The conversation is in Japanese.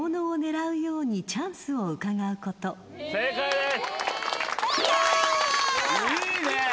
正解です！